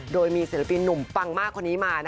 โดยมีศิลปินหนุ่มปังมากคนนี้มา